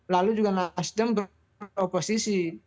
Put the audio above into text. lalu juga nasdem beroposisi